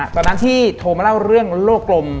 ตอนนั้นที่โทรมาเล่าเรื่องโลกลม